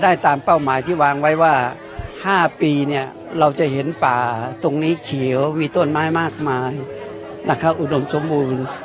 ตามเป้าหมายที่วางไว้ว่า๕ปีเนี่ยเราจะเห็นป่าตรงนี้เขียวมีต้นไม้มากมายนะครับอุดมสมบูรณ์